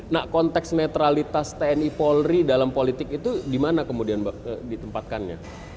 nah konteks netralitas tni polri dalam politik itu di mana kemudian ditempatkannya